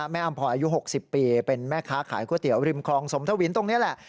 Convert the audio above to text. อำพลอยอายุ๖๐ปีเป็นแม่ค้าขายก๋วยเตี๋ยวริมคลองสมทวินตรงนี้แหละ